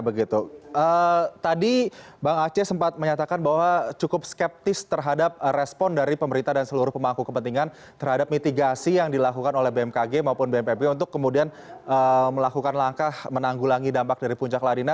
tadi bang aceh sempat menyatakan bahwa cukup skeptis terhadap respon dari pemerintah dan seluruh pemangku kepentingan terhadap mitigasi yang dilakukan oleh bmkg maupun bnpb untuk kemudian melakukan langkah menanggulangi dampak dari puncak ladina